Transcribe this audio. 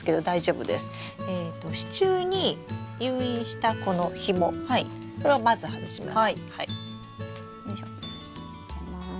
支柱に誘引したこのひもこれをまず外します。